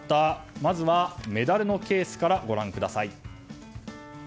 まずはメダルのケースからご覧ください。